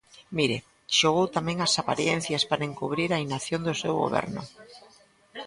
Mire, xogou tamén ás aparencias para encubrir a inacción do seu goberno.